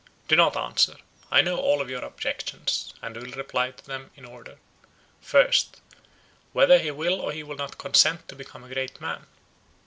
"Do not answer; I know all your objections, and will reply to them in order. First, Whether he will or will not consent to become a great man?